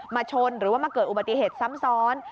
ชนหรือว่ามาเกิดอุบัติเหตุซ้ำซ้อน